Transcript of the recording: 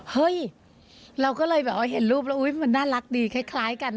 เฮ้ยเราก็เลยเห็นรูปแล้วมันน่ารักดีคล้ายกัน